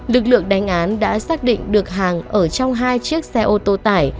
lực lượng đánh án đã xác định được hàng ở trong hai chiếc xe ô tô tải